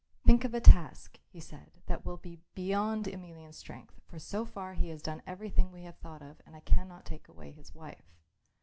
"Think of a task," he said, "that will be beyond Emelian's strength, for so far he has done everything we have thought of and I cannot take away his wife."